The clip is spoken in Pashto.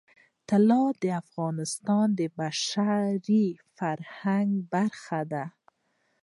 طلا د افغانستان د بشري فرهنګ برخه ده.